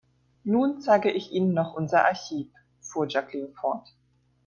Nun zeige ich Ihnen noch unser Archiv, fuhr Jacqueline fort.